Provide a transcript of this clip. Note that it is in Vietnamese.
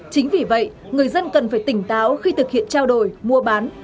chính vì vậy người dân cần phải tỉnh táo khi thực hiện trao đổi mua bán